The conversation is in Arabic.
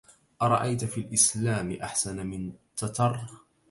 أرأيت في الإسلام أحسن من تتر